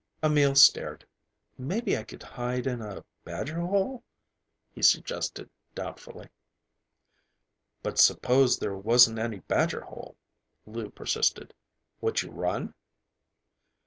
Emil stared. "Maybe I could hide in a badger hole," he suggested doubtfully. "But suppose there wasn't any badger hole," Lou persisted. "Would you run?"